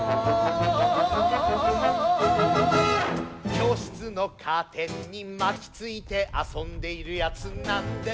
「教室のカーテンに巻きついて遊んでいるやつなんでだろう」